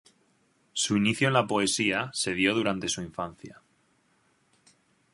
Su inicio en la poesía se dio durante su infancia.